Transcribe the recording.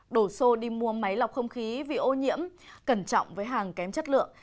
đổ xô đi mua máy lọc không khí vì ô nhiễm cẩn trọng với hàng kém chất lượng